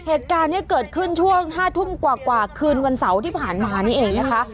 เหตุการณ์นี้เกิดขึ้นช่วง๕ทุ่มกว่าคืนวันเสาร์ที่ผ่านมานี่เองนะคะ